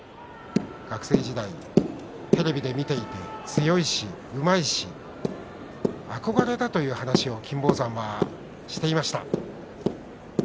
学生時代、テレビで見ていて強いし、うまいし憧れるという話を金峰山はしていました。